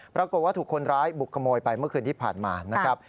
ปรากฏว่าถูกคนร้ายบุกขโมยไปเมื่อคืนที่ผ่านมานะครับ